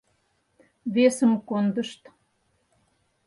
Весым кондышт.